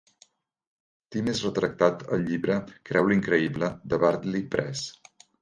Tim és retractat al llibre "Creu l'increïble" de Bartley Press.